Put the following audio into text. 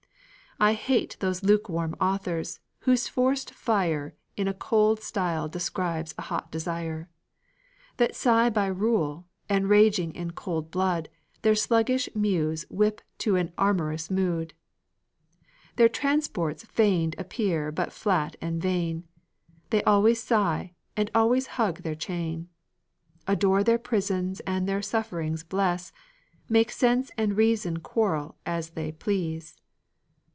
I hate those lukewarm authors, whose forced fire In a cold style describes a hot desire; That sigh by rule, and raging in cold blood, Their sluggish muse whip to an amorous mood. Their transports feigned appear but flat and vain; They always sigh, and always hug their chain, Adore their prisons and their sufferings bless, Make sense and reason quarrel as they please.